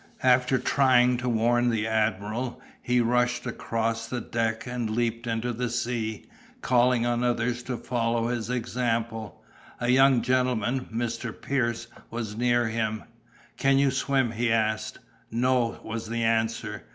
After trying to warn the admiral, he rushed across the deck and leaped into the sea, calling on others to follow his example. A young gentleman, Mr. Pierce, was near him. "Can you swim?" he asked. "No," was the answer.